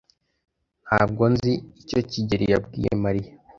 Ntabwo nzi icyo kigeli yabwiye Mariya.